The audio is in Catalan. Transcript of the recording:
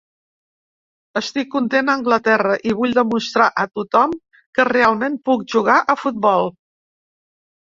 Estic content a Anglaterra i vull demostrar a tothom que realment puc jugar a futbol.